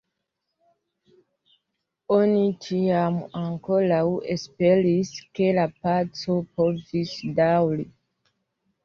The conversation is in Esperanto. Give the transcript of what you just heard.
Oni tiam ankoraŭ esperis, ke la paco povis daŭri.